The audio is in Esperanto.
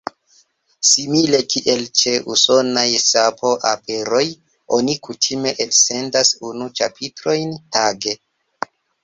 Simile kiel ĉe usonaj sapo-operoj oni kutime elsendas unu ĉapitrojn tage.